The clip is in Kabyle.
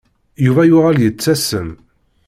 Yuba yuɣal yettasem.